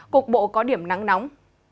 cục bộ có điểm nắng nóng